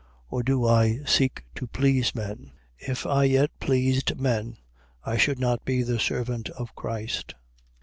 Or do I seek to please men? If I yet pleased men, I should not be the servant of Christ.